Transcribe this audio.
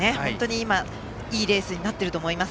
今、いいレースになっていると思います。